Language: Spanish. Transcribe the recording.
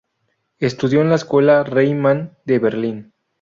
Estudió en la Escuela Reimann de Berlín.